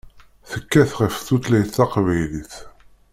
Tekkat ɣef tutlayt taqbaylit.